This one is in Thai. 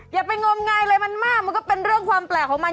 อย่าไปงมงายเลยมันมากมันก็เป็นเรื่องความแปลกของมัน